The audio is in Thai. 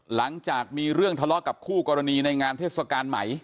หลังจากมีเรื่องทะเลาะกับคู่กรณีในงานเทศกาลใหม่